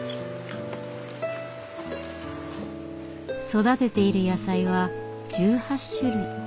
育てている野菜は１８種類。